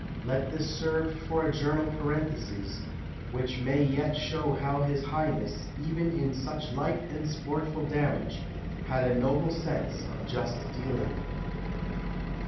Let this serve for a journal parenthesis, which yet may show how his highness, even in such light and sportful damage, had a noble sense of just dealing."